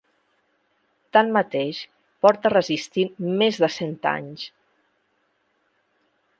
Tanmateix, porta resistint més de cent anys.